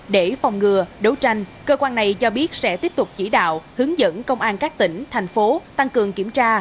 để phòng ngừa đấu tranh cơ quan này cho biết sẽ tiếp tục chỉ đạo hướng dẫn công an các tỉnh thành phố tăng cường kiểm tra